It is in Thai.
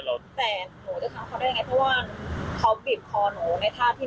แต่หนูจะทำเขาได้ยังไงเพราะว่าเขาบีบคอหนูในท่าที่